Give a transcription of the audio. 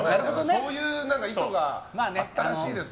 そういう意図があったらしいですわ。